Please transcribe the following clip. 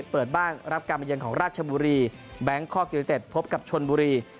เปิดบ้านรับการมาเยือนของราชบุรีแบงคอกยูนิเต็ดพบกับชนบุรี